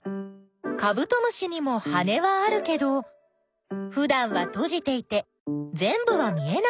カブトムシにも羽はあるけどふだんはとじていてぜんぶは見えないね。